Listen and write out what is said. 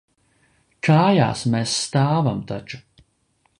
Kājās mēs stāvam taču.